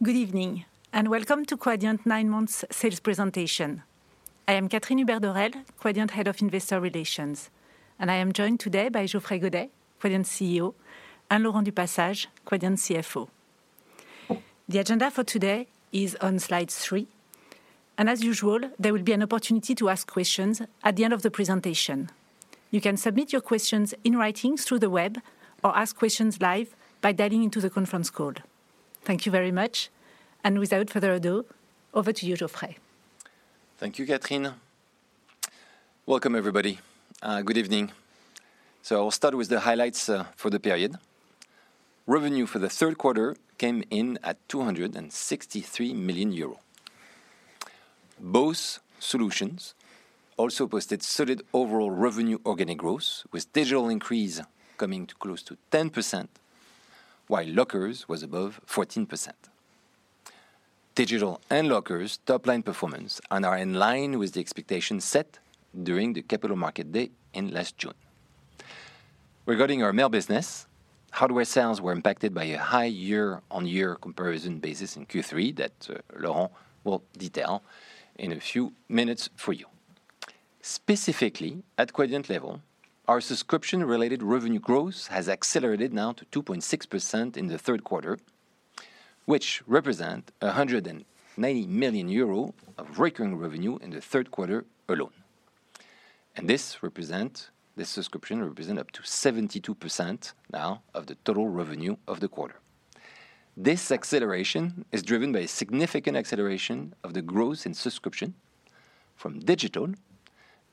Good evening and welcome to Quadient nine months sales presentation. I am Catherine Hubert-Dorel, Quadient Head of Investor Relations, and I am joined today by Geoffrey Godet, Quadient CEO, and Laurent du Passage, Quadient CFO. The agenda for today is on slide three, and as usual, there will be an opportunity to ask questions at the end of the presentation. You can submit your questions in writing through the web or ask questions live by dialing into the conference call. Thank you very much, and without further ado, over to you, Geoffrey. Thank you, Catherine. Welcome, everybody. Good evening. I will start with the highlights for the period. Revenue for the third quarter came in at 263 million euros. Both solutions also posted solid overall revenue organic growth, with Digital increase coming close to 10%, while Lockers was above 14%. Digital and Lockers' top-line performance are in line with the expectations set during the Capital Markets Day in last June. Regarding our mail business, hardware sales were impacted by a high year-on-year comparison basis in Q3 that Laurent will detail in a few minutes for you. Specifically, at Quadient level, our subscription-related revenue growth has accelerated now to 2.6% in the third quarter, which represents 190 million euro of recurring revenue in the third quarter alone. This subscription represents up to 72% now of the total revenue of the quarter. This acceleration is driven by a significant acceleration of the growth in subscription from Digital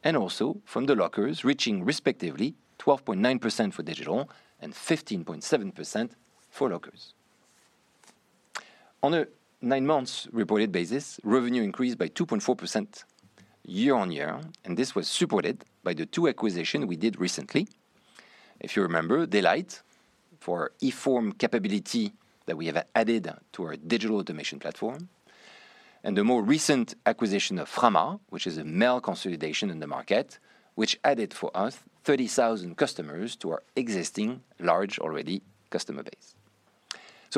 and also from the Lockers, reaching respectively 12.9% for Digital and 15.7% for Lockers. On a nine-month reported basis, revenue increased by 2.4% year-on-year, and this was supported by the two acquisitions we did recently. If you remember, Daylight for e-form capability that we have added to our Digital Automation Platform, and the more recent acquisition of Frama, which is a mail consolidation in the market, which added for us 30,000 customers to our existing large already customer base.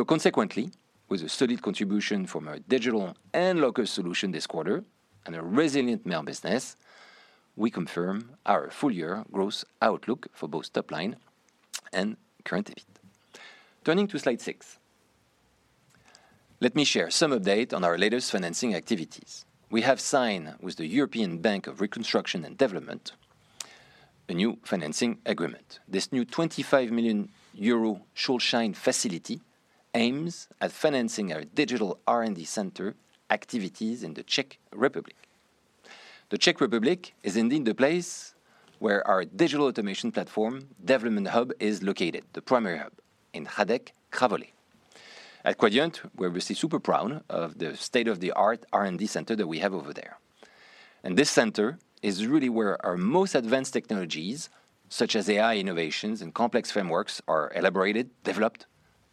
Consequently, with a solid contribution from our Digital and Lockers solution this quarter and a resilient mail business, we confirm our full-year growth outlook for both top-line and current EBIT. Turning to slide six, let me share some updates on our latest financing activities. We have signed with the European Bank for Reconstruction and Development a new financing agreement. This new 25 million euro revolving facility aims at financing our Digital R&D center activities in the Czech Republic. The Czech Republic is indeed the place where our Digital Automation Platform development hub is located, the primary hub in Hradec Králové. At Quadient, we're super proud of the state-of-the-art R&D center that we have over there. And this center is really where our most advanced technologies, such as AI innovations and complex frameworks, are elaborated, developed,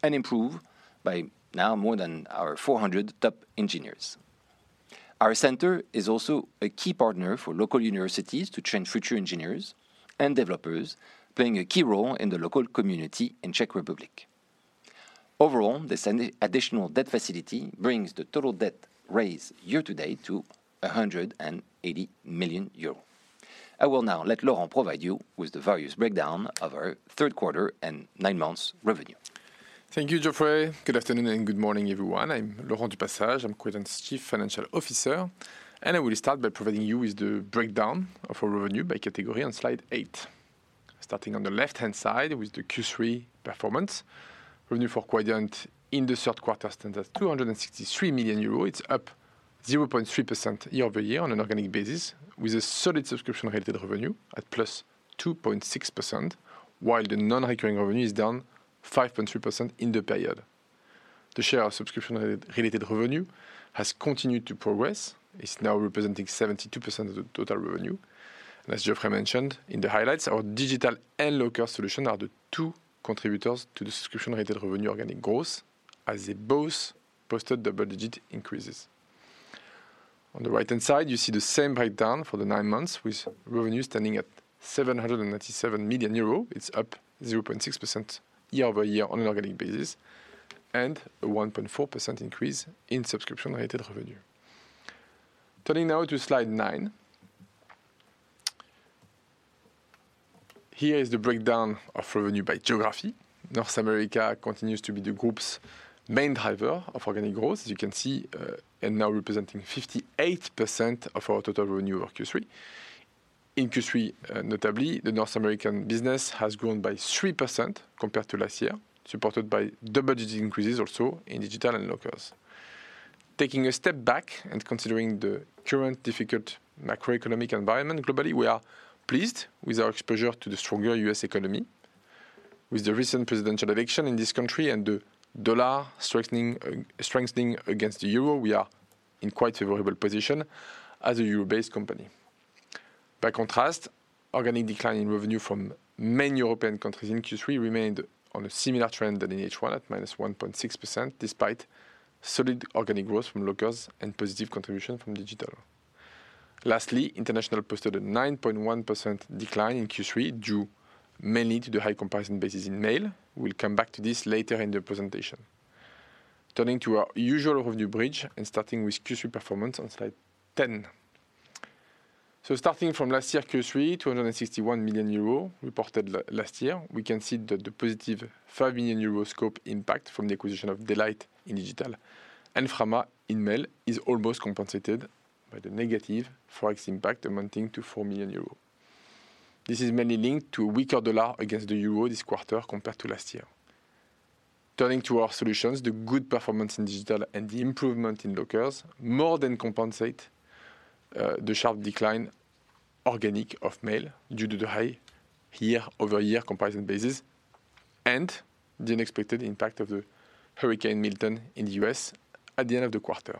and improved by now more than our 400 top engineers. Our center is also a key partner for local universities to train future engineers and developers, playing a key role in the local community in the Czech Republic. Overall, this additional debt facility brings the total debt raised year-to-date to 180 million euros. I will now let Laurent provide you with the various breakdown of our third quarter and nine-month revenue. Thank you, Geoffrey. Good afternoon and good morning, everyone. I'm Laurent du Passage. I'm Quadient's Chief Financial Officer, and I will start by providing you with the breakdown of our revenue by category on slide eight, starting on the left-hand side with the Q3 performance. Revenue for Quadient in the third quarter stands at 263 million euros. It's up 0.3% year-over-year on an organic basis, with a solid subscription-related revenue at 2.6%+, while the non-recurring revenue is down 5.3% in the period. The share of subscription-related revenue has continued to progress. It's now representing 72% of the total revenue. As Geoffrey mentioned in the highlights, our Digital and Lockers solution are the two contributors to the subscription-related revenue organic growth, as they both posted double-digit increases. On the right-hand side, you see the same breakdown for the nine months, with revenue standing at 797 million euro. It's up 0.6% year-over-year on an organic basis and a 1.4% increase in subscription-related revenue. Turning now to slide nine, here is the breakdown of revenue by geography. North America continues to be the group's main driver of organic growth, as you can see, and now representing 58% of our total revenue over Q3. In Q3, notably, the North American business has grown by 3% compared to last year, supported by double-digit increases also in Digital and Lockers. Taking a step back and considering the current difficult macroeconomic environment globally, we are pleased with our exposure to the stronger U.S. economy. With the recent presidential election in this country and the dollar strengthening against the euro, we are in quite a favorable position as a Euro-based company. By contrast, organic decline in revenue from many European countries in Q3 remained on a similar trend than in H1 at -1.6%, despite solid organic growth from Lockers and positive contribution from Digital. Lastly, international posted a 9.1% decline in Q3 due mainly to the high comparison basis in mail. We'll come back to this later in the presentation. Turning to our usual revenue bridge and starting with Q3 performance on slide 10. So starting from last year, Q3, 261 million euros reported last year, we can see that the positive 5 million euro scope impact from the acquisition of Daylight in Digital and Frama in mail is almost compensated by the negative Forex impact amounting to 4 million euros. This is mainly linked to a weaker dollar against the euro this quarter compared to last year. Turning to our solutions, the good performance in Digital and the improvement in Lockers more than compensate the sharp decline organic of mail due to the high year-over-year comparison basis and the unexpected impact of the Hurricane Milton in the U.S. at the end of the quarter.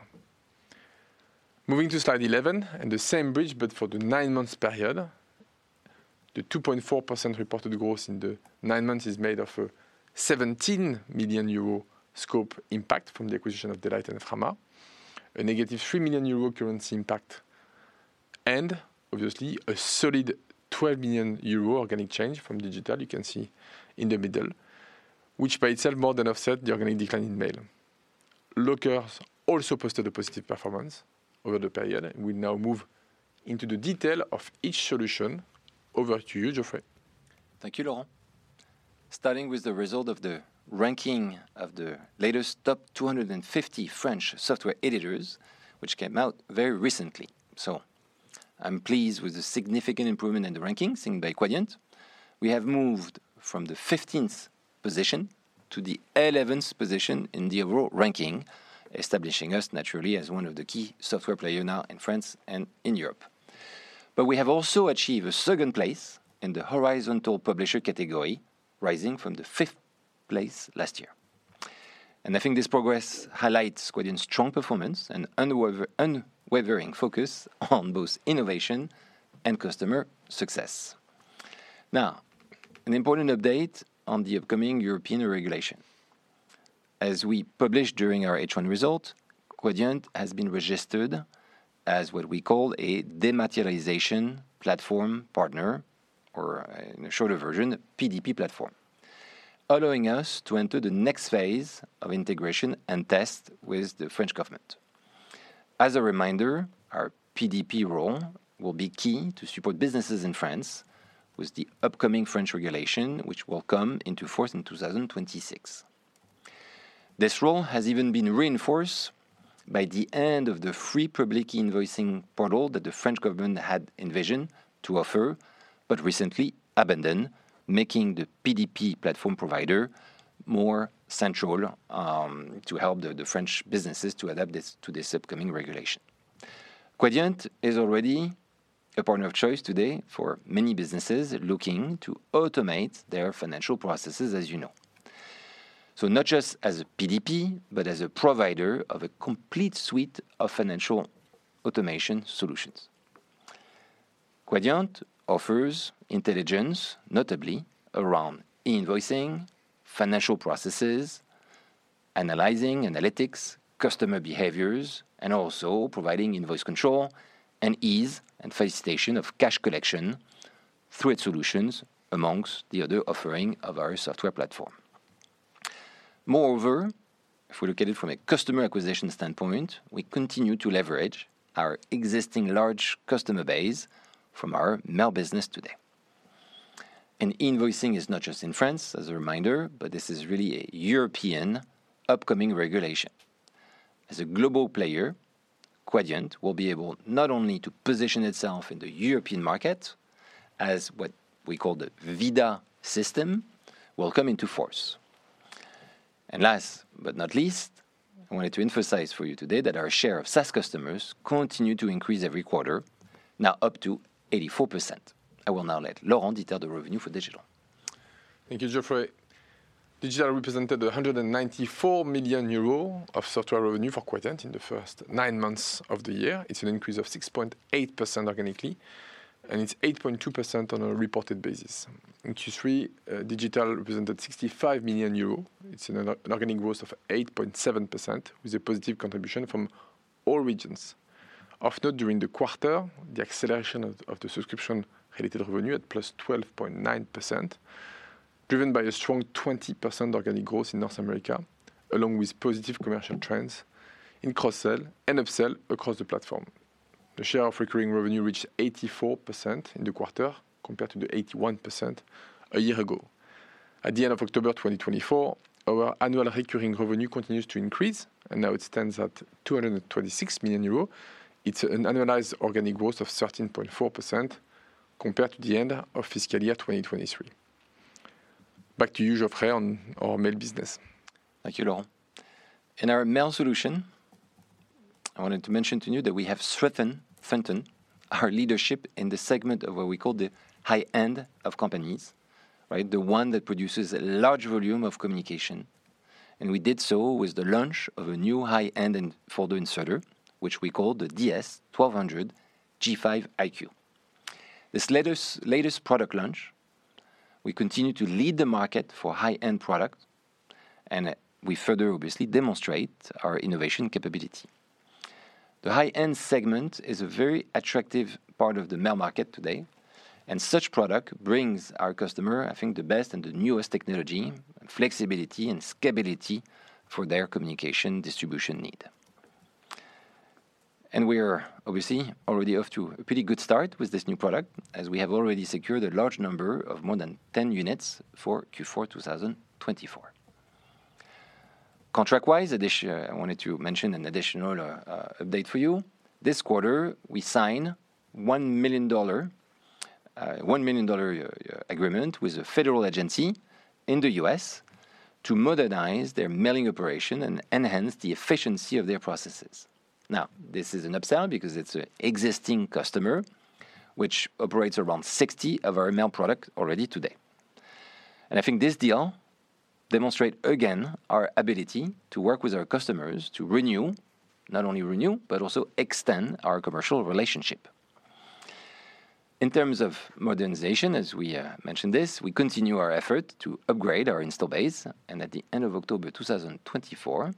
Moving to slide 11 and the same bridge, but for the nine-month period, the 2.4% reported growth in the nine months is made of a 17 million euro scope impact from the acquisition of Daylight and Frama. A negative 3 million euro currency impact, and obviously a solid 12 million euro organic change from Digital, you can see in the middle, which by itself more than offsets the organic decline in mail. Lockers also posted a positive performance over the period. We'll now move into the detail of each solution. Over to you, Geoffrey. Thank you, Laurent. Starting with the result of the ranking of the latest top 250 French software editors, which came out very recently. So I'm pleased with the significant improvement in the ranking seen by Quadient. We have moved from the 15th position to the 11th position in the overall ranking, establishing us naturally as one of the key software players now in France and in Europe. But we have also achieved a second place in the Horizontal Publisher category, rising from the fifth place last year. And I think this progress highlights Quadient's strong performance and unwavering focus on both innovation and customer success. Now, an important update on the upcoming European regulation. As we published during our H1 result, Quadient has been registered as what we call a dematerialization platform partner, or in a shorter version, PDP platform, allowing us to enter the next phase of integration and test with the French government. As a reminder, our PDP role will be key to support businesses in France with the upcoming French regulation, which will come into force in 2026. This role has even been reinforced by the end of the free public invoicing portal that the French government had envisioned to offer, but recently abandoned, making the PDP platform provider more central to help the French businesses to adapt to this upcoming regulation. Quadient is already a partner of choice today for many businesses looking to automate their financial processes, as you know. So not just as a PDP, but as a provider of a complete suite of financial automation solutions. Quadient offers intelligence, notably around invoicing, financial processes, analyzing analytics, customer behaviors, and also providing invoice control and ease and facilitation of cash collection through its solutions amongst the other offerings of our software platform. Moreover, if we look at it from a customer acquisition standpoint, we continue to leverage our existing large customer base from our mail business today, and invoicing is not just in France, as a reminder, but this is really a European upcoming regulation. As a global player, Quadient will be able not only to position itself in the European market as what we call the ViDA system will come into force, and last but not least, I wanted to emphasize for you today that our share of SaaS customers continues to increase every quarter, now up to 84%. I will now let Laurent detail the revenue for Digital. Thank you, Geoffrey. Digital represented 194 million euros of software revenue for Quadient in the first nine months of the year. It's an increase of 6.8% organically, and it's 8.2% on a reported basis. In Q3, Digital represented 65 million euro. It's an organic growth of 8.7% with a positive contribution from all regions. Of note, during the quarter, the acceleration of the subscription-related revenue at 12.9%+, driven by a strong 20% organic growth in North America, along with positive commercial trends in cross-sell and upsell across the platform. The share of recurring revenue reached 84% in the quarter compared to the 81% a year ago. At the end of October 2024, our annual recurring revenue continues to increase, and now it stands at 226 million euros. It's an annualized organic growth of 13.4% compared to the end of fiscal year 2023. Back to you, Geoffrey, on our mail business. Thank you, Laurent. In our mail solution, I wanted to mention to you that we have strengthened our leadership in the segment of what we call the high-end of companies, the one that produces a large volume of communication, and we did so with the launch of a new high-end folder inserter, which we call the DS-1200 G5iQ. This latest product launch, we continue to lead the market for high-end products, and we further obviously demonstrate our innovation capability. The high-end segment is a very attractive part of the mail market today, and such product brings our customer, I think, the best and the newest technology, flexibility and scalability for their communication distribution need, and we are obviously already off to a pretty good start with this new product, as we have already secured a large number of more than 10 units for Q4 2024. Contract-wise, I wanted to mention an additional update for you. This quarter, we signed a $1 million agreement with a federal agency in the U.S. to modernize their mailing operation and enhance the efficiency of their processes. Now, this is an upsell because it's an existing customer, which operates around 60 of our mail products already today. And I think this deal demonstrates again our ability to work with our customers to renew, not only renew, but also extend our commercial relationship. In terms of modernization, as we mentioned this, we continue our effort to upgrade our install base, and at the end of October 2024,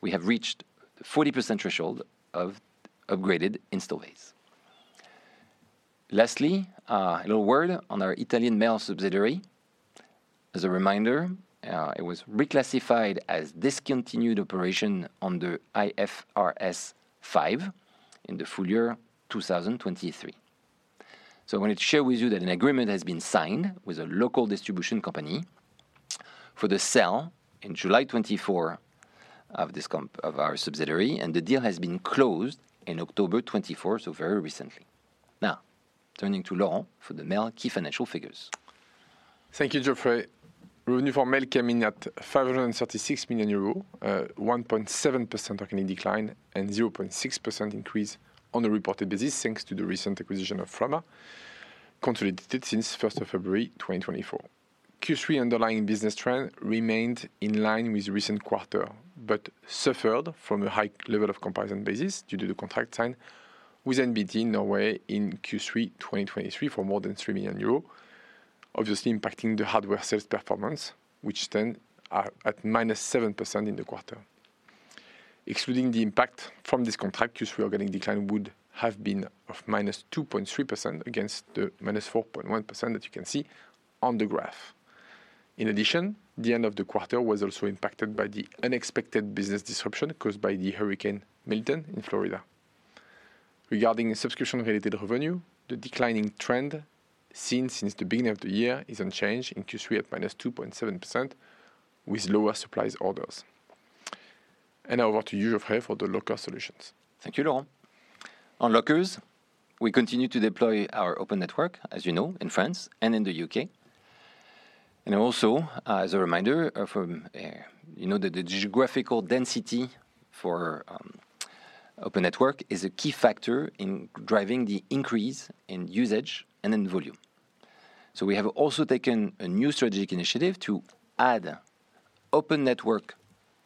we have reached the 40% threshold of upgraded install base. Lastly, a little word on our Italian mail subsidiary. As a reminder, it was reclassified as discontinued operation under IFRS 5 in the full year 2023. I wanted to share with you that an agreement has been signed with a local distribution company for the sale in July 2024 of our subsidiary, and the deal has been closed in October 2024, so very recently. Now, turning to Laurent for the mail key financial figures. Thank you, Geoffrey. Revenue for mail came in at 536 million euro, 1.7% organic decline, and 0.6% increase on a reported basis thanks to the recent acquisition of Frama, consolidated since 1 February 2024. Q3 underlying business trend remained in line with the recent quarter, but suffered from a high level of comparison basis due to the contract signed with NBT Norway in Q3 2023 for more than 3 million euros, obviously impacting the hardware sales performance, which stands at -7% in the quarter. Excluding the impact from this contract, Q3 organic decline would have been of -2.3% against the -4.1% that you can see on the graph. In addition, the end of the quarter was also impacted by the unexpected business disruption caused by Hurricane Milton in Florida. Regarding subscription-related revenue, the declining trend seen since the beginning of the year is unchanged in Q3 at -2.7% with lower supplies orders, and now over to you, Geoffrey, for the Locker solutions. Thank you, Laurent. On Lockers, we continue to deploy our open network, as you know, in France and in the U.K., and also, as a reminder, you know that the geographical density for open network is a key factor in driving the increase in usage and in volume, so we have also taken a new strategic initiative to add open network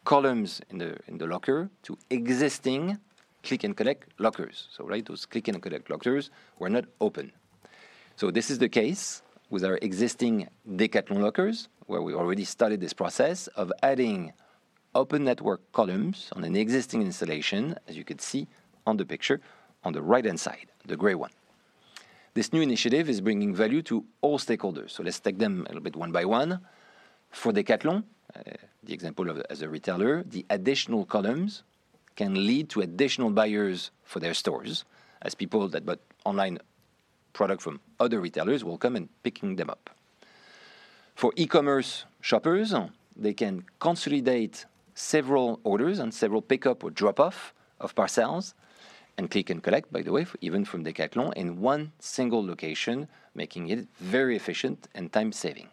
columns in the locker to existing click and collect lockers, so those click and collect lockers were not open. So this is the case with our existing Decathlon lockers, where we already started this process of adding open network columns on an existing installation, as you could see on the picture on the right-hand side, the gray one. This new initiative is bringing value to all stakeholders, so let's take them a little bit one by one. For Decathlon, the example of as a retailer, the additional columns can lead to additional buyers for their stores, as people that bought online products from other retailers will come and pick them up. For e-commerce shoppers, they can consolidate several orders and several pick-up or drop-off of parcels and click and collect, by the way, even from Decathlon in one single location, making it very efficient and time-saving.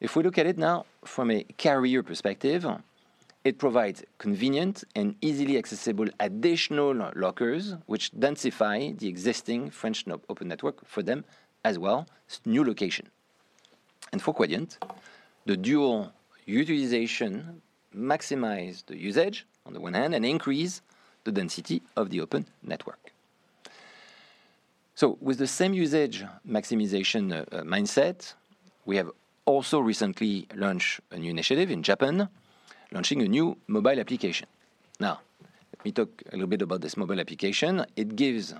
If we look at it now from a carrier perspective, it provides convenient and easily accessible additional lockers, which densify the existing French open network for them as well, new location, and for Quadient, the dual utilization maximizes the usage on the one hand and increases the density of the open network. So with the same usage maximization mindset, we have also recently launched a new initiative in Japan, launching a new mobile application. Now, let me talk a little bit about this mobile application. It gives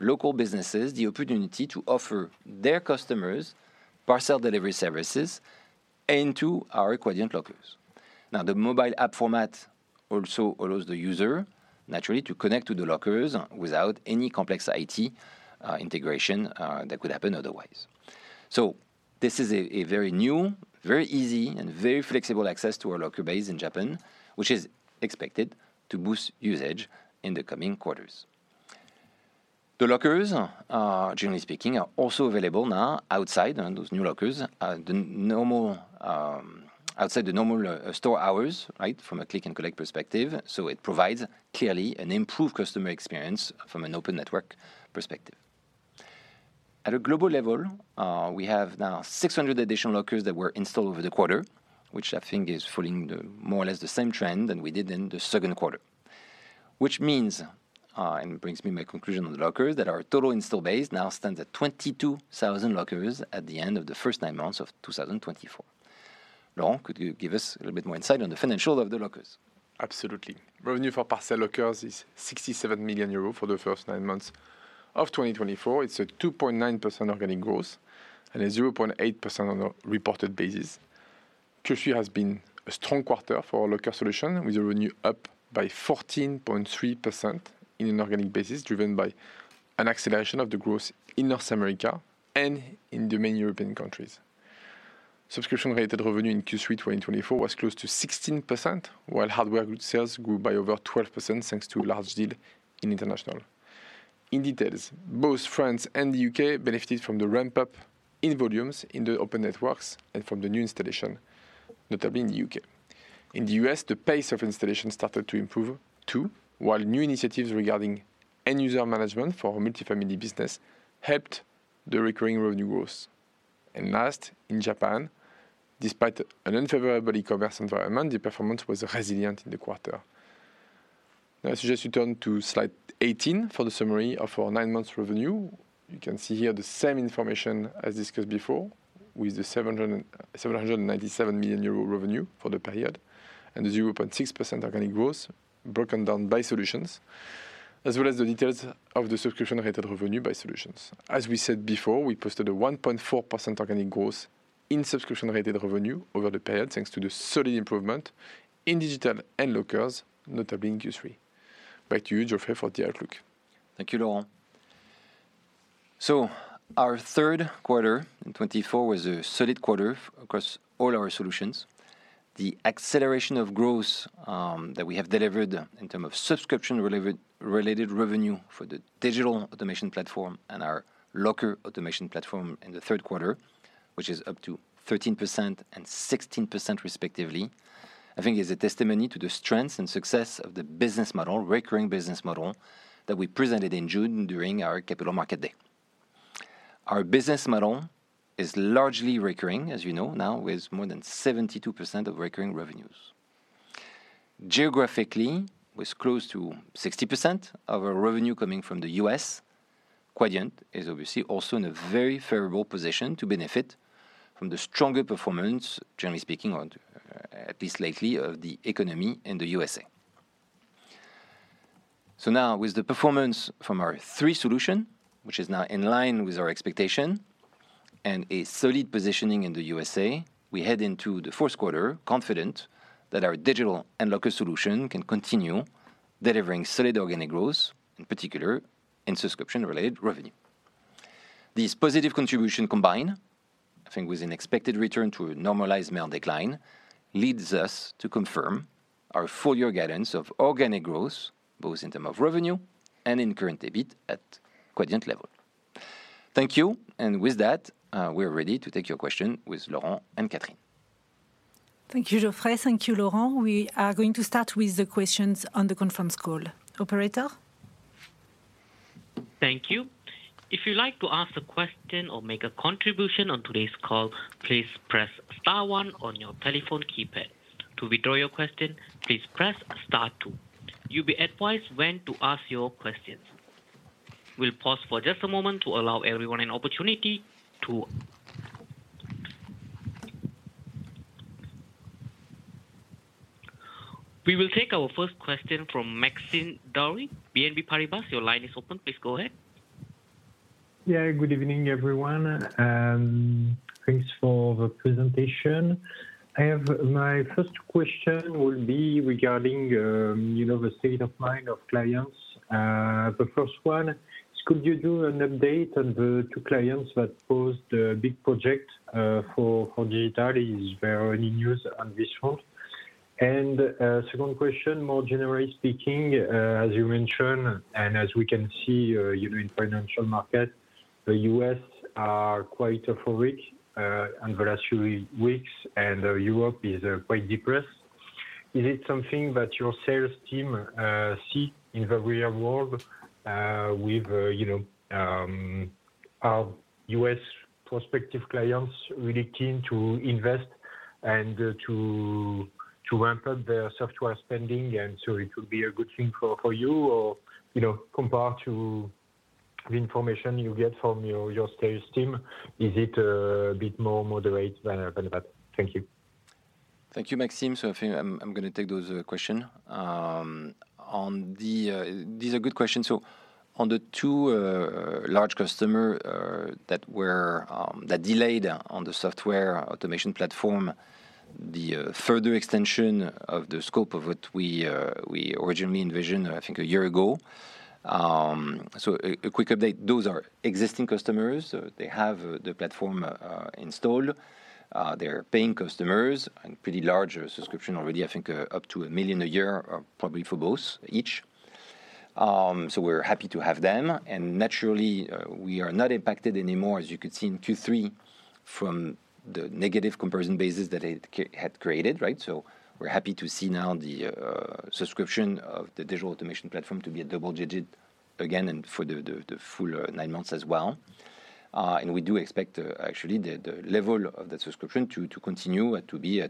local businesses the opportunity to offer their customers parcel delivery services into our Quadient lockers. Now, the mobile app format also allows the user, naturally, to connect to the lockers without any complex IT integration that could happen otherwise. So this is a very new, very easy, and very flexible access to our locker base in Japan, which is expected to boost usage in the coming quarters. The lockers, generally speaking, are also available now outside those new lockers, outside the normal store hours from a Click-and-Collect perspective. So it provides clearly an improved customer experience from an Open Network perspective. At a global level, we have now 600 additional lockers that were installed over the quarter, which I think is following more or less the same trend than we did in the second quarter, which means, and brings me to my conclusion on the lockers, that our total installed base now stands at 22,000 lockers at the end of the first nine months of 2024. Laurent, could you give us a little bit more insight on the financials of the lockers? Absolutely. Revenue for parcel lockers is 67 million euros for the first nine months of 2024. It's a 2.9% organic growth and a 0.8% on a reported basis. Q3 has been a strong quarter for our locker solution, with a revenue up by 14.3% in an organic basis, driven by an acceleration of the growth in North America and in the main European countries. Subscription-related revenue in Q3 2024 was close to 16%, while hardware goods sales grew by over 12% thanks to large deals in international. In details, both France and the U.K. benefited from the ramp-up in volumes in the open networks and from the new installation, notably in the U.K. In the U.S., the pace of installation started to improve too, while new initiatives regarding end-user management for multifamily business helped the recurring revenue growth. Last, in Japan, despite an unfavorable e-commerce environment, the performance was resilient in the quarter. Now, I suggest you turn to slide 18 for the summary of our nine-month revenue. You can see here the same information as discussed before, with the 797 million euro revenue for the period and the 0.6% organic growth broken down by solutions, as well as the details of the subscription-related revenue by solutions. As we said before, we posted a 1.4% organic growth in subscription-related revenue over the period thanks to the solid improvement in Digital and lockers, notably in Q3. Back to you, Geoffrey, for the outlook. Thank you, Laurent. So our third quarter in 2024 was a solid quarter across all our solutions. The acceleration of growth that we have delivered in terms of subscription-related revenue for the Digital Automation Platform and our locker automation platform in the third quarter, which is up to 13% and 16% respectively, I think is a testimony to the strengths and success of the business model, recurring business model, that we presented in June during our Capital Markets Day. Our business model is largely recurring, as you know now, with more than 72% of recurring revenues. Geographically, with close to 60% of our revenue coming from the U.S., Quadient is obviously also in a very favorable position to benefit from the stronger performance, generally speaking, or at least lately, of the economy in the USA. So now, with the performance from our three solutions, which is now in line with our expectation and a solid positioning in the USA, we head into the fourth quarter confident that our Digital and Locker solution can continue delivering solid organic growth, in particular, in subscription-related revenue. These positive contributions combined, I think with an expected return to a normalized mail decline, lead us to confirm our full-year guidance of organic growth, both in terms of revenue and in current EBIT at Quadient level. Thank you. And with that, we are ready to take your questions with Laurent and Catherine. Thank you, Geoffrey. Thank you, Laurent. We are going to start with the questions on the conference call. Operator? Thank you. If you'd like to ask a question or make a contribution on today's call, please press star one on your telephone keypad. To withdraw your question, please press star two. You'll be advised when to ask your questions. We'll pause for just a moment to allow everyone an opportunity to... We will take our first question from Maxime Dubreil, BNP Paribas. Your line is open. Please go ahead. Yeah, good evening, everyone. Thanks for the presentation. My first question will be regarding the state of mind of clients. The first one, could you do an update on the two clients that postponed the big project for Digital? There's very little news on this front. And second question, more generally speaking, as you mentioned, and as we can see in the financial market, the U.S. are quite euphoric in the last few weeks, and Europe is quite depressed. Is it something that your sales team see in the real world with your U.S. prospective clients really keen to invest and to ramp up their software spending? And so it would be a good thing for you or compared to the information you get from your sales team, is it a bit more moderate than that? Thank you. Thank you, Maxime. So I think I'm going to take those questions. These are good questions. So on the two large customers that delayed on the Digital Automation Platform, the further extension of the scope of what we originally envisioned, I think a year ago. So a quick update, those are existing customers. They have the platform installed. They're paying customers, pretty large subscription already, I think up to 1 million a year, probably for both each. So we're happy to have them. And naturally, we are not impacted anymore, as you could see in Q3, from the negative comparison basis that it had created. So we're happy to see now the subscription of the Digital Automation Platform to be double-digit again and for the full nine months as well. We do expect, actually, the level of the subscription to continue to be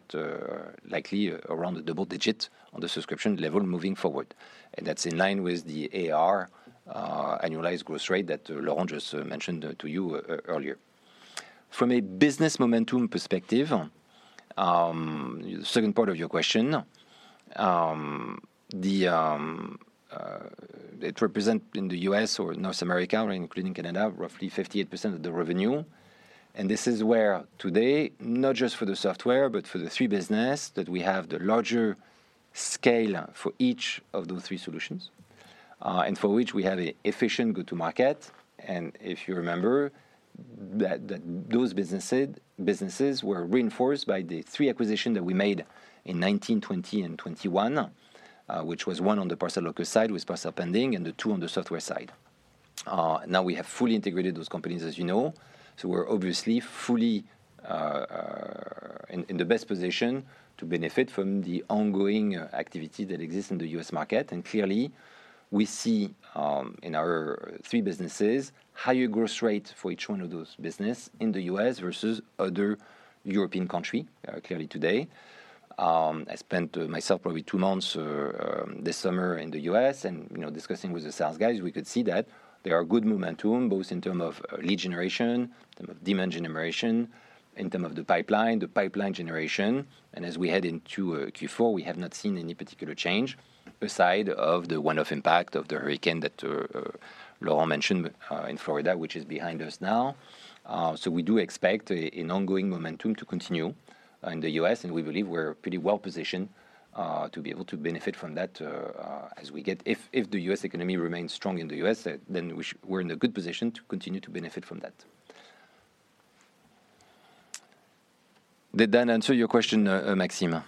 likely around the double-digit on the subscription level moving forward. That's in line with the ARR, annualized growth rate that Laurent just mentioned to you earlier. From a business momentum perspective, the second part of your question, it represents in the U.S. or North America, including Canada, roughly 58% of the revenue. This is where today, not just for the software, but for the three businesses that we have, the larger scale for each of those three solutions, and for which we have an efficient go-to-market. If you remember, those businesses were reinforced by the three acquisitions that we made in 2019, 2020, and 2021, which was one on the parcel locker side with Parcel Pending and the two on the software side. Now we have fully integrated those companies, as you know, so we're obviously fully in the best position to benefit from the ongoing activity that exists in the U.S. market, and clearly, we see in our three businesses higher growth rates for each one of those businesses in the U.S. versus other European countries, clearly today. I spent myself probably two months this summer in the U.S., and discussing with the sales guys, we could see that there are good momentum both in terms of lead generation, in terms of demand generation, in terms of the pipeline, the pipeline generation, and as we head into Q4, we have not seen any particular change aside from the one-off impact of the hurricane that Laurent mentioned in Florida, which is behind us now, so we do expect an ongoing momentum to continue in the U.S. And we believe we're pretty well positioned to be able to benefit from that as we get. If the U.S. economy remains strong in the U.S., then we're in a good position to continue to benefit from that. Did that answer your question, Maxime?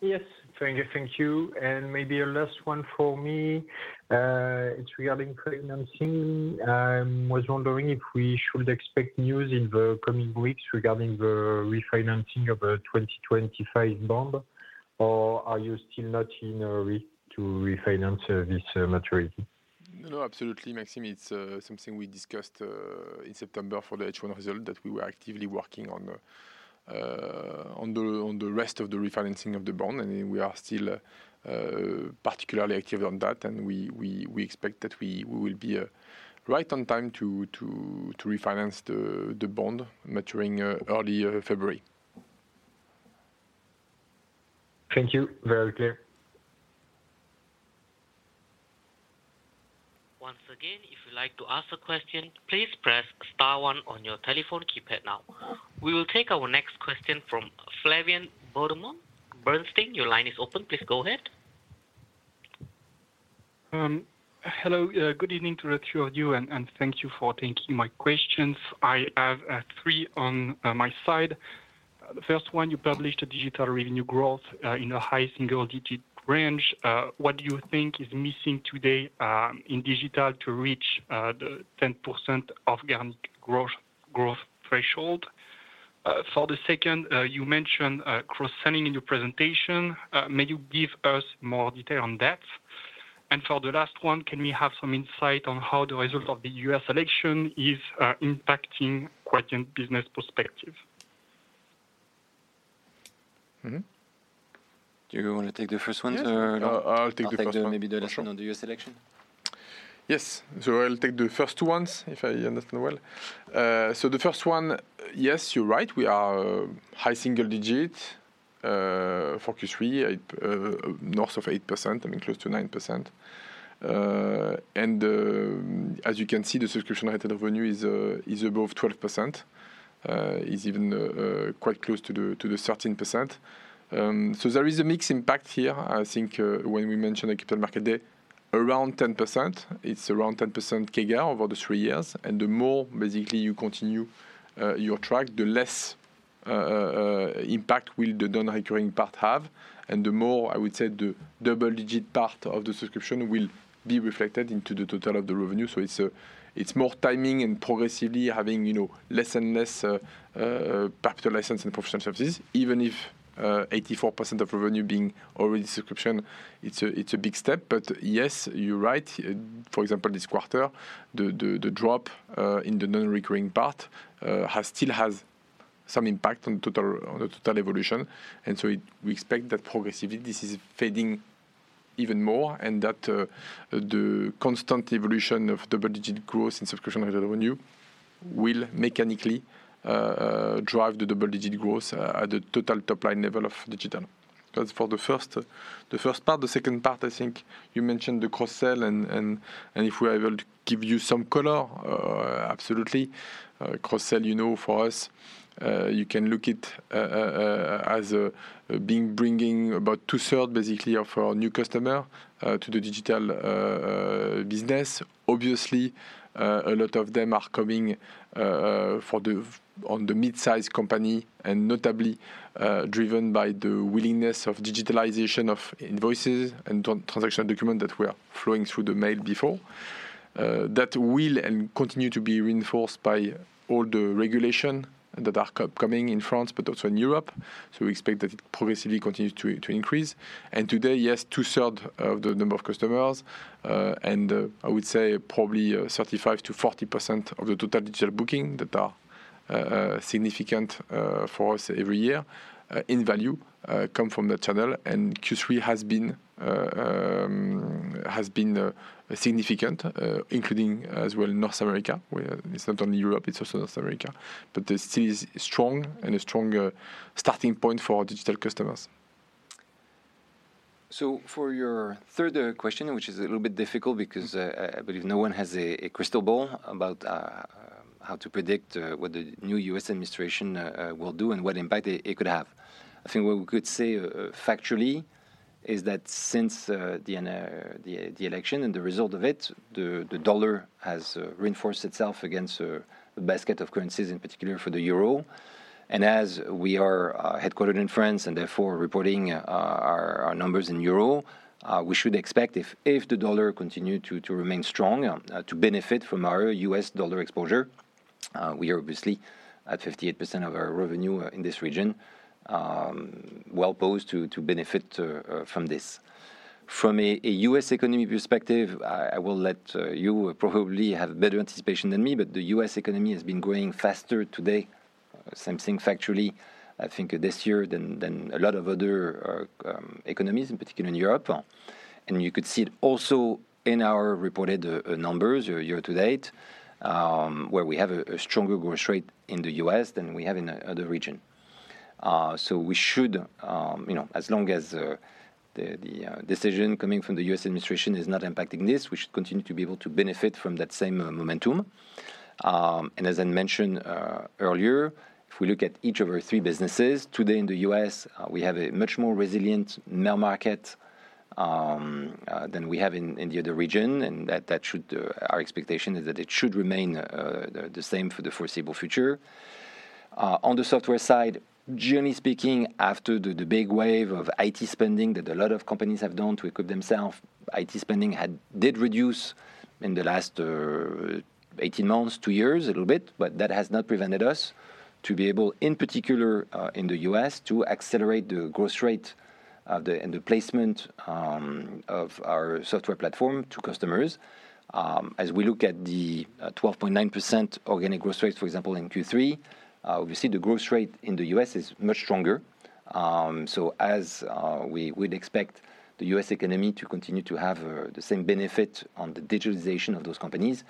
Yes, very good. Thank you. And maybe a last one for me. It's regarding financing. I was wondering if we should expect news in the coming weeks regarding the refinancing of the 2025 bond, or are you still not in a risk to refinance this maturity? No, absolutely, Maxime. It's something we discussed in September for the H1 result that we were actively working on the rest of the refinancing of the bond. And we are still particularly active on that. And we expect that we will be right on time to refinance the bond maturing early February. Thank you. Very clear. Once again, if you'd like to ask a question, please press star one on your telephone keypad now. We will take our next question from Flavien Baudemont, Bernstein. Your line is open. Please go ahead. Hello. Good evening to the two of you. And thank you for taking my questions. I have three on my side. The first one, you published a digital revenue growth in a high single-digit range. What do you think is missing today in Digital to reach the 10% organic growth threshold? For the second, you mentioned cross-selling in your presentation. May you give us more detail on that? And for the last one, can we have some insight on how the result of the U.S. election is impacting Quadient business perspective? Do you want to take the first one? I'll take the first one. Maybe the last one on the U.S. election? Yes. So I'll take the first one, if I understand well. So the first one, yes, you're right. We are high single-digit for Q3, north of 8%, I mean, close to 9%. And as you can see, the subscription-related revenue is above 12%. It's even quite close to the 13%. So there is a mixed impact here. I think when we mentioned the Capital Markets Day, around 10%, it's around 10% CAGR over the three years. And the more, basically, you continue your track, the less impact will the non-recurring part have. And the more, I would say, the double-digit part of the subscription will be reflected into the total of the revenue. So it's more timing and progressively having less and less perpetual license and professional services, even if 84% of revenue being already subscription, it's a big step. But yes, you're right. For example, this quarter, the drop in the non-recurring part still has some impact on the total evolution. And so we expect that progressively this is fading even more and that the constant evolution of double-digit growth in subscription-related revenue will mechanically drive the double-digit growth at the total top-line level of Digital. That's for the first part. The second part, I think you mentioned the cross-sell. And if we are able to give you some color, absolutely. Cross-sell, you know, for us, you can look at it as being bringing about two-thirds, basically, of our new customers to the Digital business. Obviously, a lot of them are coming for the mid-sized company and notably driven by the willingness of digitalization of invoices and transactional documents that were flowing through the mail before. That will and continue to be reinforced by all the regulations that are coming in France, but also in Europe, so we expect that it progressively continues to increase, and today, yes, two-thirds of the number of customers and I would say probably 35%-40% of the total digital booking that are significant for us every year in value come from that channel, and Q3 has been significant, including as well North America. It's not only Europe, it's also North America, but it's still strong and a strong starting point for our Digital customers. So for your third question, which is a little bit difficult because I believe no one has a crystal ball about how to predict what the new U.S. administration will do and what impact it could have. I think what we could say factually is that since the election and the result of it, the dollar has reinforced itself against the basket of currencies, in particular for the euro. And as we are headquartered in France and therefore reporting our numbers in euro, we should expect if the dollar continues to remain strong, to benefit from our U.S. dollar exposure. We are obviously at 58% of our revenue in this region, well posed to benefit from this. From a U.S. economy perspective, I will let you probably have better anticipation than me, but the U.S. economy has been growing faster today, same thing factually, I think, this year than a lot of other economies, in particular in Europe. And you could see it also in our reported numbers year to date, where we have a stronger growth rate in the U.S. than we have in other regions. So we should, as long as the decision coming from the U.S. administration is not impacting this, we should continue to be able to benefit from that same momentum. And as I mentioned earlier, if we look at each of our three businesses, today in the U.S., we have a much more resilient mail market than we have in the other region. And our expectation is that it should remain the same for the foreseeable future. On the software side, generally speaking, after the big wave of IT spending that a lot of companies have done to equip themselves, IT spending did reduce in the last 18 months, two years, a little bit, but that has not prevented us to be able, in particular in the U.S., to accelerate the growth rate and the placement of our software platform to customers. As we look at the 12.9% organic growth rate, for example, in Q3, obviously, the growth rate in the U.S. is much stronger. So as we would expect the U.S. economy to continue to have the same benefit on the digitalization of those companies,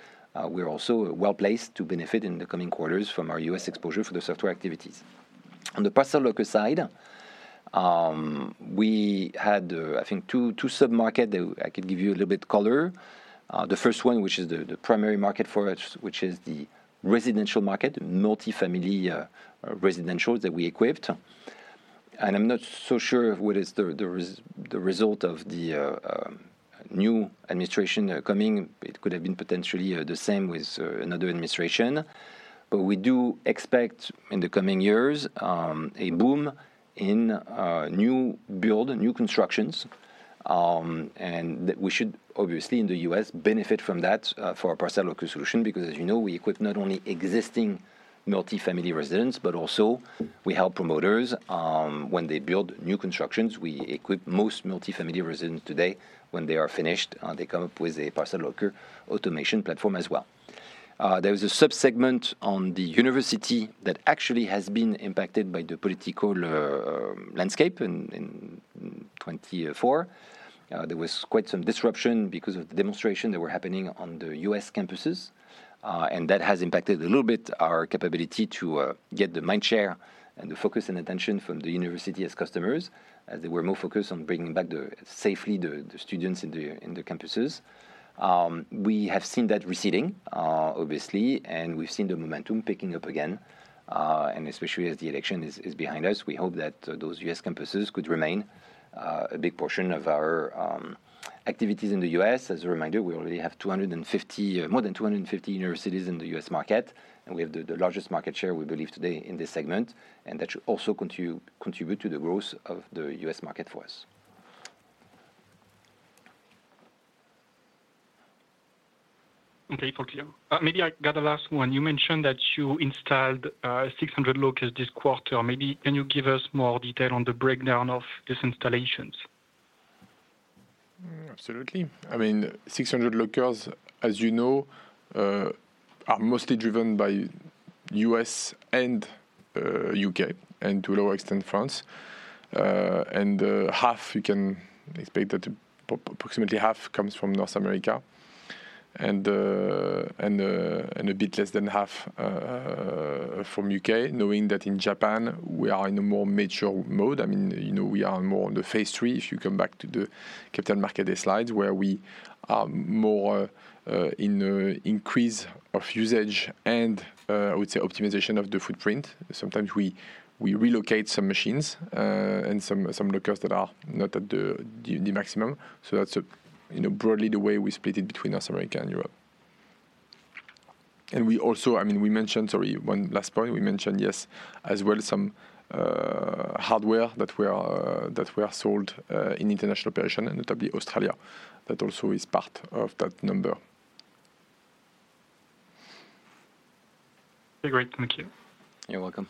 we're also well placed to benefit in the coming quarters from our U.S. exposure for the software activities. On the parcel locker side, we had, I think, two sub-markets that I could give you a little bit of color. The first one, which is the primary market for us, which is the residential market, multifamily residences that we equipped, and I'm not so sure what is the result of the new administration coming. It could have been potentially the same with another administration, but we do expect in the coming years a boom in new build, new constructions, and we should, obviously, in the U.S., benefit from that for our parcel locker solution because, as you know, we equip not only existing multifamily residences, but also we help promoters when they build new constructions. We equip most multifamily residences today when they are finished. They come up with a parcel locker automation platform as well. There is a subsegment of the university that actually has been impacted by the political landscape in 2024. There was quite some disruption because of the demonstrations that were happening on the U.S. campuses. That has impacted a little bit our capability to get the mind share and the focus and attention from the university as customers, as they were more focused on bringing back safely the students in the campuses. We have seen that receding, obviously. We've seen the momentum picking up again. Especially as the election is behind us, we hope that those U.S. campuses could remain a big portion of our activities in the U.S. As a reminder, we already have more than 250 universities in the U.S. market. We have the largest market share, we believe, today in this segment. That should also contribute to the growth of the U.S. market for us. Okay, Paul Guillaume. Maybe I got the last one. You mentioned that you installed 600 lockers this quarter. Maybe can you give us more detail on the breakdown of these installations? Absolutely. I mean, 600 lockers, as you know, are mostly driven by U.S. and U.K., and to a lower extent, France, and half, you can expect that approximately half comes from North America, and a bit less than half from U.K., knowing that in Japan, we are in a more mature mode. I mean, we are more on the phase three, if you come back to the Capital Markets Day slides, where we are more in increase of usage and, I would say, optimization of the footprint. Sometimes we relocate some machines and some lockers that are not at the maximum. So that's broadly the way we split it between North America and Europe, and we also, I mean, we mentioned, sorry, one last point. We mentioned, yes, as well, some hardware that were sold in international operation, notably Australia, that also is part of that number. Okay, great. Thank you. You're welcome.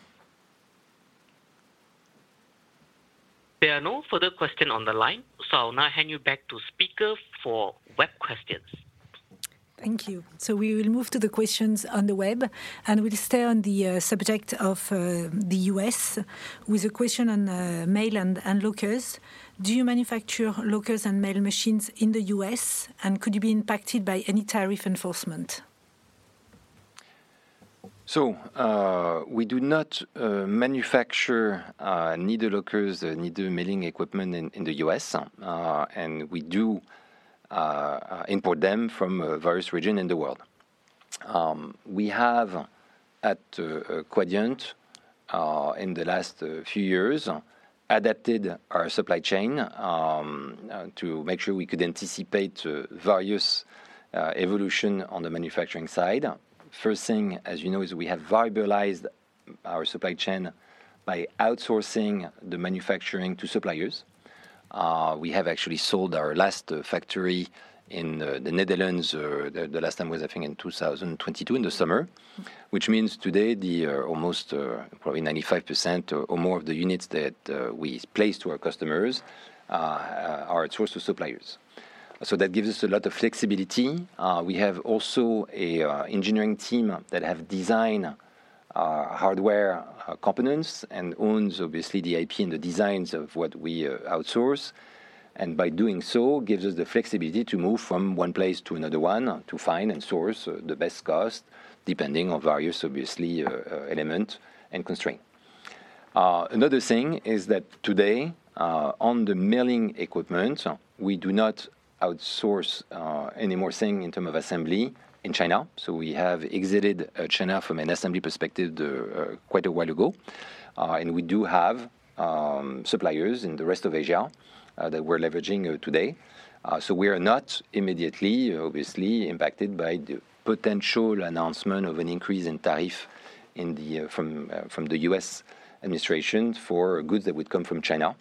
There are no further questions on the line, so I'll now hand you back to speakers for web questions. Thank you, so we will move to the questions on the web, and we'll stay on the subject of the U.S. with a question on mail and lockers. Do you manufacture lockers and mail machines in the U.S.? And could you be impacted by any tariff enforcement? So we do not manufacture neither lockers nor mailing equipment in the U.S. And we do import them from various regions in the world. We have, at Quadient, in the last few years, adapted our supply chain to make sure we could anticipate various evolutions on the manufacturing side. First thing, as you know, is we have diversified our supply chain by outsourcing the manufacturing to suppliers. We have actually sold our last factory in the Netherlands. The last time was, I think, in 2022, in the summer, which means today almost probably 95% or more of the units that we place to our customers are outsourced to suppliers. So that gives us a lot of flexibility. We have also an engineering team that has designed hardware components and owns, obviously, the IP and the designs of what we outsource. And by doing so, it gives us the flexibility to move from one place to another one to find and source the best cost, depending on various, obviously, elements and constraints. Another thing is that today, on the mailing equipment, we do not outsource any more things in terms of assembly in China. So we have exited China from an assembly perspective quite a while ago. And we do have suppliers in the rest of Asia that we're leveraging today. So we are not immediately, obviously, impacted by the potential announcement of an increase in tariff from the U.S. administration for goods that would come from China.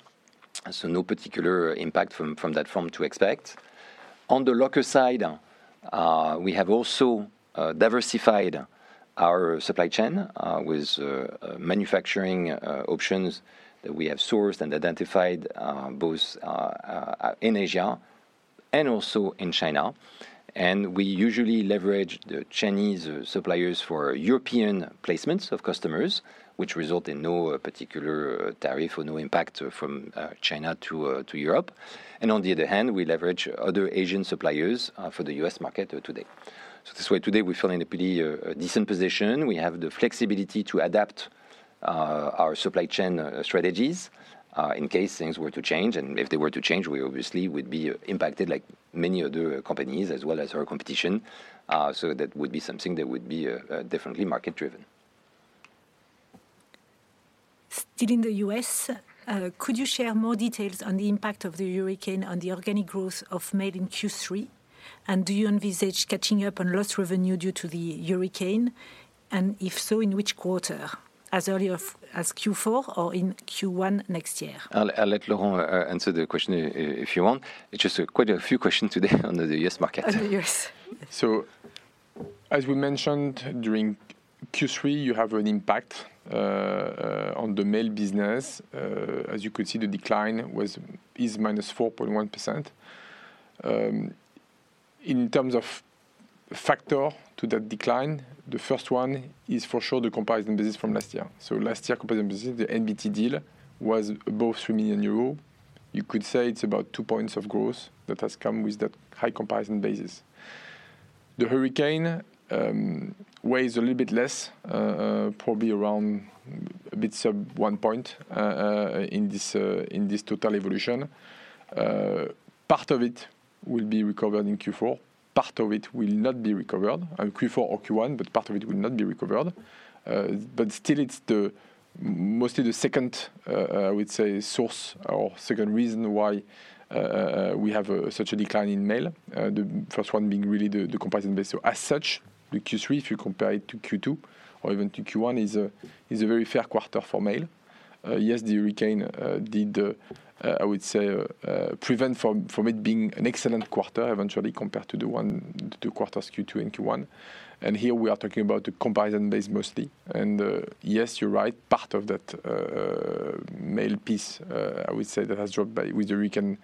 So no particular impact from that front to expect. On the locker side, we have also diversified our supply chain with manufacturing options that we have sourced and identified both in Asia and also in China. And we usually leverage the Chinese suppliers for European placements of customers, which result in no particular tariff or no impact from China to Europe. And on the other hand, we leverage other Asian suppliers for the U.S. market today. So this way, today, we're feeling a pretty decent position. We have the flexibility to adapt our supply chain strategies in case things were to change. And if they were to change, we obviously would be impacted like many other companies, as well as our competition. So that would be something that would be definitely market-driven. Still in the U.S., could you share more details on the impact of the hurricane on the organic growth of mail in Q3? And do you envisage catching up on lost revenue due to the hurricane? And if so, in which quarter? As early as Q4 or in Q1 next year? I'll let Laurent answer the question if you want. It's just quite a few questions today on the U.S. market. On the U.S. As we mentioned, during Q3, you have an impact on the mail business. As you could see, the decline was -4.1%. In terms of factors to that decline, the first one is for sure the comparison basis from last year. Last year's comparison basis, the NBT deal was above 3 million euros. You could say it's about two points of growth that has come with that high comparison basis. The hurricane weighs a little bit less, probably around a bit sub one point in this total evolution. Part of it will be recovered in Q4. Part of it will not be recovered in Q4 or Q1, but part of it will not be recovered. But still, it's mostly the second, I would say, source or second reason why we have such a decline in mail, the first one being really the comparison basis. So as such, Q3, if you compare it to Q2 or even to Q1, is a very fair quarter for mail. Yes, the hurricane did, I would say, prevent from it being an excellent quarter eventually compared to the two quarters, Q2 and Q1. And here we are talking about the comparison base mostly. And yes, you're right, part of that mail piece, I would say, that has dropped by with the hurricane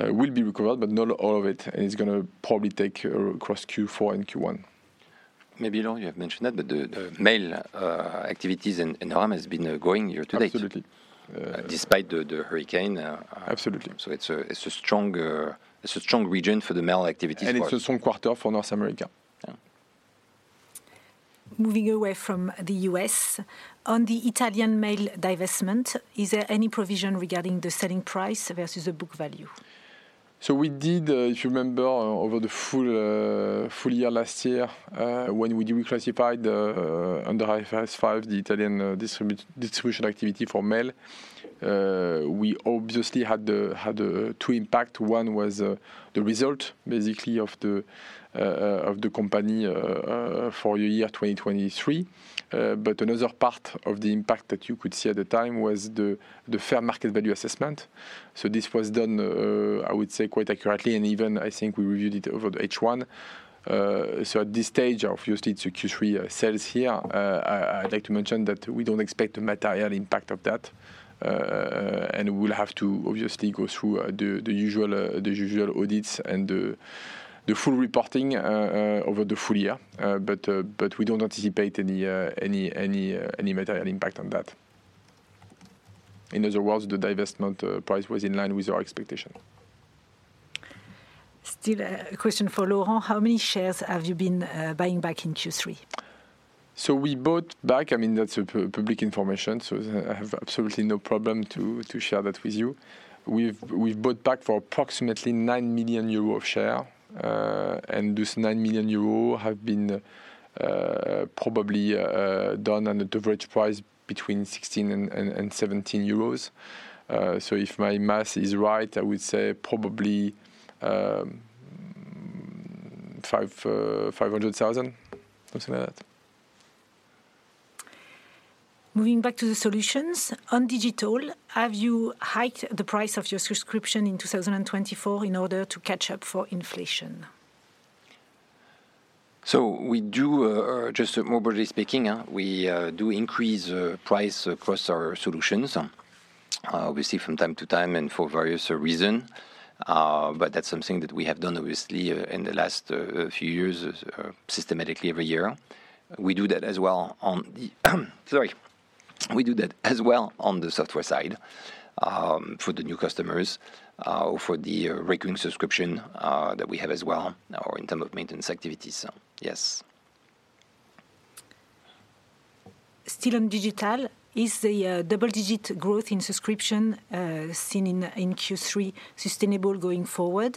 will be recovered, but not all of it. And it's going to probably take across Q4 and Q1. Maybe, Laurent, you have mentioned that, but the mail activities in Rome have been growing year to date. Absolutely. Despite the hurricane. Absolutely. It's a strong region for the mail activities. It's a strong quarter for North America. Moving away from the U.S., on the Italian mail divestment, is there any provision regarding the selling price versus the book value? So we did, if you remember, over the full year last year, when we reclassified under IFRS 5, the Italian distribution activity for mail, we obviously had two impacts. One was the result, basically, of the company for the year 2023. But another part of the impact that you could see at the time was the fair market value assessment. So this was done, I would say, quite accurately. And even, I think, we reviewed it over the H1. So at this stage, obviously, it's a Q3 sales here. I'd like to mention that we don't expect a material impact of that. And we will have to, obviously, go through the usual audits and the full reporting over the full year. But we don't anticipate any material impact on that. In other words, the divestment price was in line with our expectation. Still, a question for Laurent. How many shares have you been buying back in Q3? So we bought back, I mean, that's public information. So I have absolutely no problem to share that with you. We've bought back for approximately 9 million euros of shares. And those 9 million euros have been probably done at an average price between 16 and 17 euros. So if my math is right, I would say probably 500,000, something like that. Moving back to the solutions. On Digital, have you hiked the price of your subscription in 2024 in order to catch up for inflation? So we do, just more broadly speaking, we do increase price across our solutions, obviously, from time to time and for various reasons. But that's something that we have done, obviously, in the last few years, systematically every year. We do that as well on the software side for the new customers for the recurring subscription that we have as well or in terms of maintenance activities. Yes. Still on Digital, is the double-digit growth in subscription seen in Q3 sustainable going forward?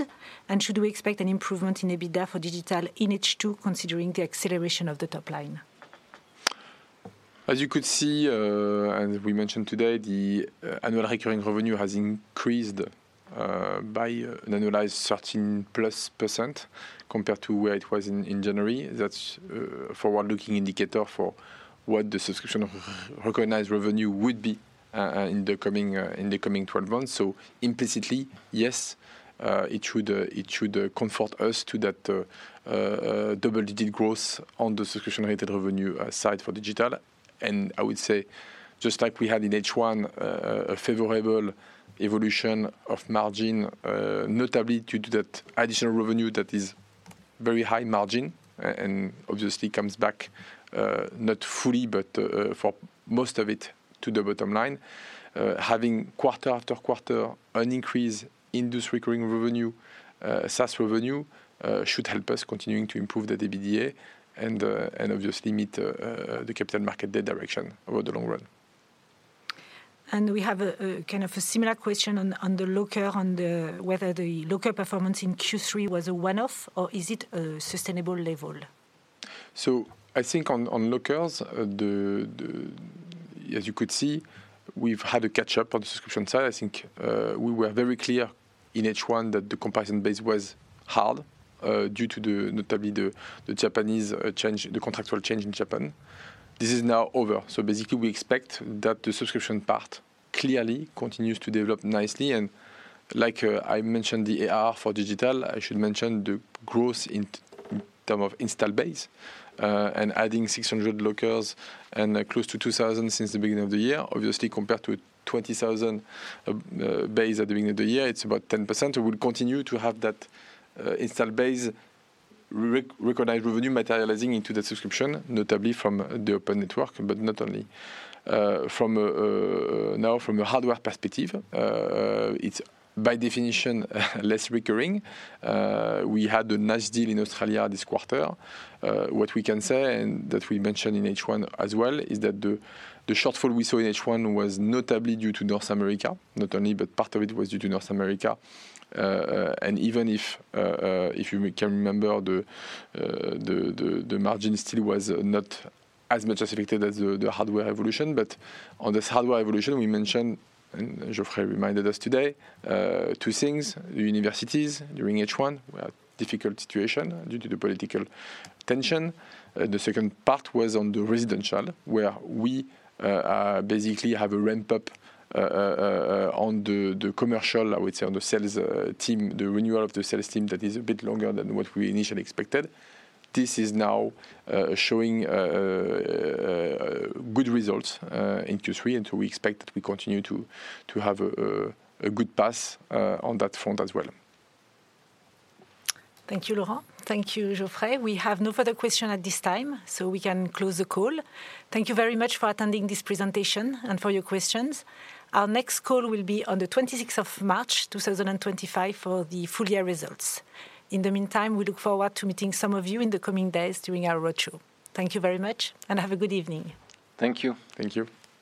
And should we expect an improvement in EBITDA for Digital in H2, considering the acceleration of the top line? As you could see, as we mentioned today, the annual recurring revenue has increased by an annualized 13%+ compared to where it was in January. That's a forward-looking indicator for what the subscription recurring revenue would be in the coming 12 months. So implicitly, yes, it should comfort us to that double-digit growth on the subscription-related revenue side for Digital. And I would say, just like we had in H1, a favorable evolution of margin, notably due to that additional revenue that is very high margin and obviously comes back, not fully, but for most of it, to the bottom line. Having quarter after quarter an increase in this recurring revenue, SaaS revenue, should help us continue to improve that EBITDA and obviously meet the Capital Market Day direction over the long run. We have a kind of a similar question on the locker, on whether the locker performance in Q3 was a one-off or is it a sustainable level? So I think on lockers, as you could see, we've had a catch-up on the subscription side. I think we were very clear in H1 that the comparison base was hard due to notably the Japanese change, the contractual change in Japan. This is now over. So basically, we expect that the subscription part clearly continues to develop nicely. And like I mentioned, the ARR for Digital, I should mention the growth in terms of install base and adding 600 lockers and close to 2,000 since the beginning of the year. Obviously, compared to a 20,000 base at the beginning of the year, it's about 10%. We will continue to have that install base recognized revenue materializing into the subscription, notably from the open network, but not only. Now, from a hardware perspective, it's by definition less recurring. We had a nice deal in Australia this quarter. What we can say, and that we mentioned in H1 as well, is that the shortfall we saw in H1 was notably due to North America, not only, but part of it was due to North America, and even if you can remember, the margin still was not as much as affected as the hardware evolution. But on this hardware evolution, we mentioned, and Geoffrey reminded us today, two things. The universities during H1 were in a difficult situation due to the political tension. The second part was on the residential, where we basically have a ramp-up on the commercial, I would say, on the sales team, the renewal of the sales team that is a bit longer than what we initially expected. This is now showing good results in Q3, and so we expect that we continue to have a good pass on that front as well. Thank you, Laurent. Thank you, Geoffrey. We have no further questions at this time, so we can close the call. Thank you very much for attending this presentation and for your questions. Our next call will be on the 26th of March 2025 for the full year results. In the meantime, we look forward to meeting some of you in the coming days during our roadshow. Thank you very much, and have a good evening. Thank you. Thank you.